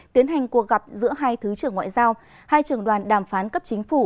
tiến hành cuộc gặp giữa hai thứ trưởng ngoại giao hai trường đoàn đàm phán cấp chính phủ